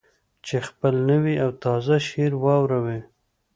چې خپل نوی او تازه شعر واوروي.